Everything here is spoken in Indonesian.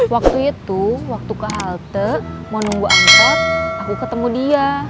waktu itu waktu ke halte mau nunggu angkot aku ketemu dia